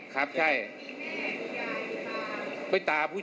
สายแม่สายแม่ทั้งหมด